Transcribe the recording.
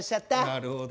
なるほど。